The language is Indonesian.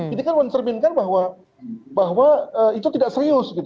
ini kan mencerminkan bahwa itu tidak serius